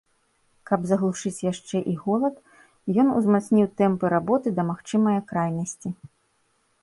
Каб заглушыць яшчэ і голад, ён узмацніў тэмпы работы да магчымае крайнасці.